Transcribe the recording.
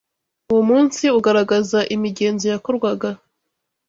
Uwo munsi ugaragaza imigenzo yakorwaga